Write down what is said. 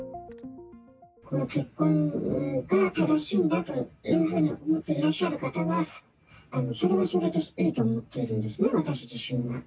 この結婚が正しいんだというふうに思っていらっしゃる方は、それはそれでいいと思ってるんですね、私自身は。